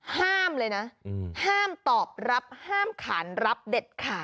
ห้ามเลยนะห้ามตอบรับห้ามขานรับเด็ดขาด